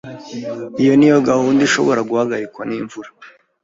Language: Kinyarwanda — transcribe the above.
Iyo niyo gahunda ishobora guhagarikwa nimvura.